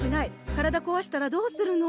体こわしたらどうするの？